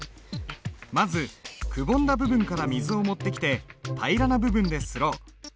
まずくぼんだ部分から水を持ってきて平らな部分で磨ろう。